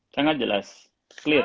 sangat jelas clear